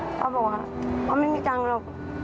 เขาบอกว่าไม่มีจังหรอก